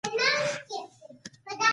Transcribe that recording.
آیا هواره ځمکه اوبه کمې غواړي؟